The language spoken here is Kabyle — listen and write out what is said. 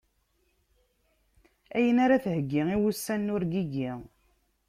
Ayen ara theggi i wussan n urgigi.